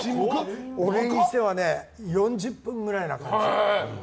俺にしたら４０分くらいな感じ。